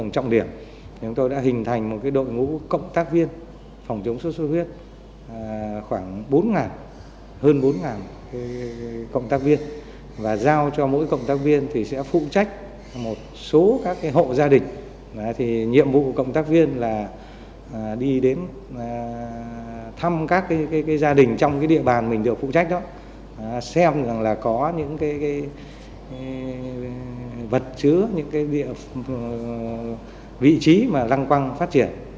trong thời gian mình được phụ trách đó xem là có những cái vật chứa những cái vị trí mà lăng quăng phát triển